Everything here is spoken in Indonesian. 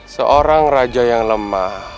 seorang raja yang lemah